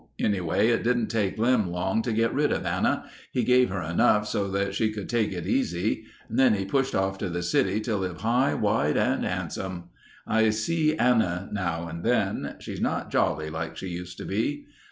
Anyway, it didn't take Lem long to get rid of Anna. He gave her enough so that she could take it easy. Then he pushed off to the city to live high, wide, and handsome. I see Anna now and then. She's not jolly like she used to be.